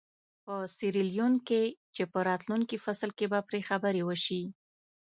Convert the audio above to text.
په سیریلیون کې چې په راتلونکي فصل کې به پرې خبرې وشي.